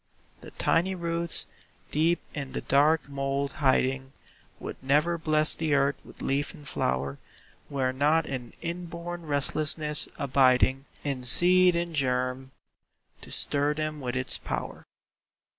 The tiny roots, deep in the dark mould hiding, Would never bless the earth with leaf and flower Were not an inborn restlessness abiding In seed and germ, to stir them with its power.